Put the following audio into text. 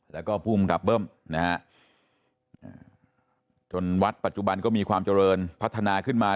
แล้วก็ภูมิกับเบิ้มนะฮะจนวัดปัจจุบันก็มีความเจริญพัฒนาขึ้นมา